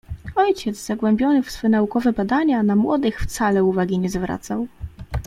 "Ojciec zagłębiony w swe naukowe badania, na młodych wcale uwagi nie zwracał."